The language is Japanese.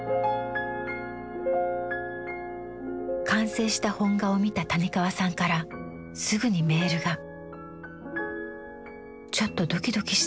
完成した本画を見た谷川さんからすぐにメールが。